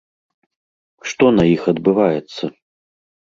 Што на іх адбываецца?